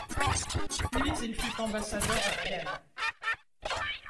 Puis il fut ambassadeur à Vienne.